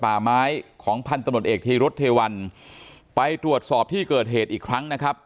ป่าไม้ของพันธุ์ตำรวจเอกธีรุษเทวันไปตรวจสอบที่เกิดเหตุอีกครั้งนะครับ